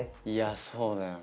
いやそうね。